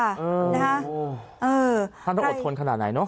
ท่านต้องอดทนขนาดไหนเนอะ